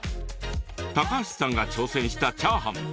高橋さんが挑戦したチャーハン。